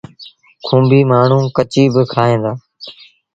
کونڀيٚ مآڻهوٚݩ ڪچيٚ با کائيٚݩ دآ۔